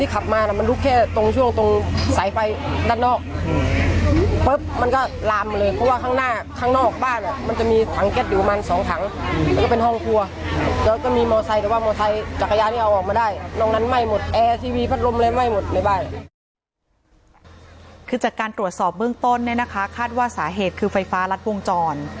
คือจากการตรวจสอบเบื้องต้นเนี่ยนะคะคาดว่าสาเหตุคือไฟฟ้ารัดวงจร